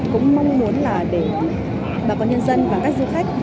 cũng mong muốn là để bà con nhân dân và các du khách